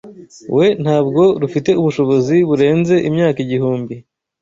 We Ntabwo rufite ubushobozi burenze imyaka igihumbi